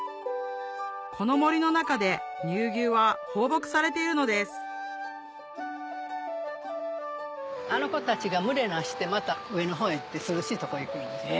この森の中で乳牛は放牧されているのですあの子たちが群れ成してまた上の方へ行って涼しいとこ行くんですよ。